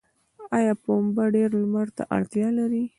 آیا پنبه ډیر لمر ته اړتیا لري؟